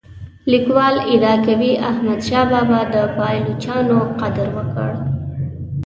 لیکوال ادعا کوي احمد شاه بابا د پایلوچانو قدر وکړ.